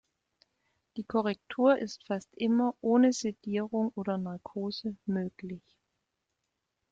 Die Korrektur ist fast immer ohne Sedierung oder Narkose möglich.